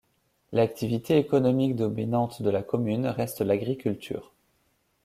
L'activité économique dominante de la commune reste l'agriculture.